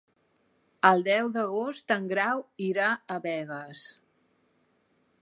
El deu d'agost en Grau irà a Begues.